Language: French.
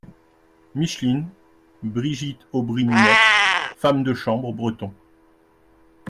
MICHELINE — Brigitte Aubry NINETTE, femme de chambre Breton.